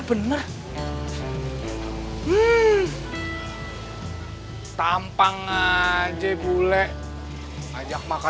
bagaimana adil chandra